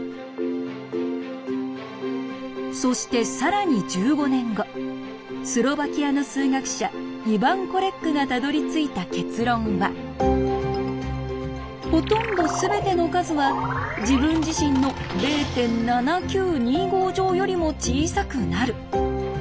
そして更に１５年後スロバキアの数学者イバン・コレックがたどりついた結論は「ほとんどすべての数は自分自身の０．７９２５乗よりも小さくなる」。